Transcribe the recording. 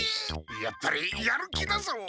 やっぱりやる気だぞ！